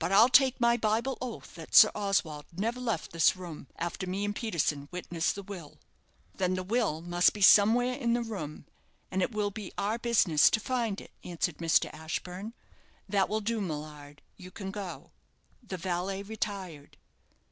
But I'll take my Bible oath that Sir Oswald never left this room after me and Peterson witnessed the will." "Then the will must be somewhere in the room, and it will be our business to find it," answered Mr. Ashburne. "That will do, Millard; you can go." The valet retired.